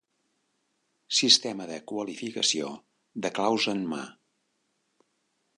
Sistema de qualificació de claus en mà.